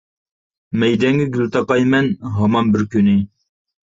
مەيدەڭگە گۈل تاقايمەن، ھامان بىر كۈنى.